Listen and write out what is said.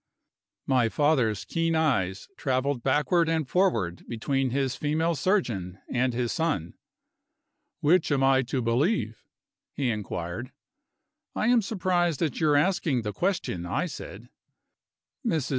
My father's keen eyes traveled backward and forward between his female surgeon and his son. "Which am I to believe?" he inquired. "I am surprised at your asking the question," I said. Mrs.